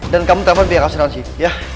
dan kamu teman pihak asuransi ya